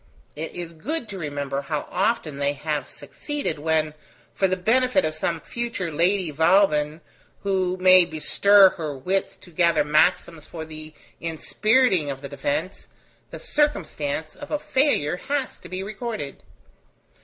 It is good to remember how often they have succeeded, when, for the benefit of some future Lady Vauban, who may bestir her wits to gather maxims for the inspiriting of the Defence, the circumstance of a failure has to be recorded.